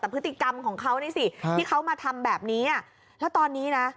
แต่พฤติกรรมของเขานี่สิที่เขามาทำแบบนี้แล้วตอนนี้นะ